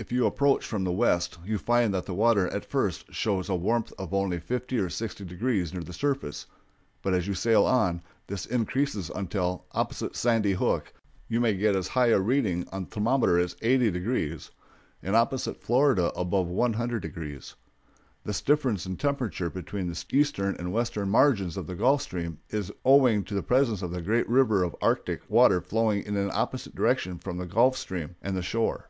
If you approach from the west you find that the water at first shows a warmth of only fifty or sixty degrees near the surface; but as you sail on, this increases until, opposite Sandy Hook, you may get as high a reading on the thermometer as eighty degrees, and opposite Florida above one hundred degrees. This difference in temperature between the eastern and western margins of the Gulf Stream is owing to the presence of the great river of Arctic water flowing in an opposite direction between the Gulf Stream and the shore.